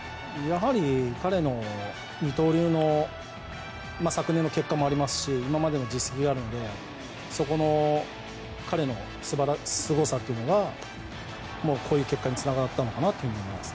やはり彼の二刀流の昨年の結果もありますし今までの実績があるのでそこの彼のすごさというのがこういう結果につながったのかなと思います。